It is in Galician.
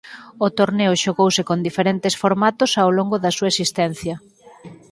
O torneo xogouse con diferentes formatos ao longo da súa existencia.